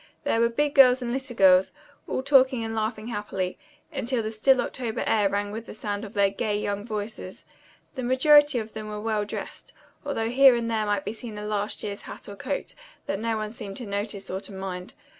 There were big girls and little girls, all talking and laughing happily, until the still October air rang with the sound of their gay, young voices. The majority of them were well dressed, although here and there might be seen a last year's hat or coat that no one seemed to notice or to mind.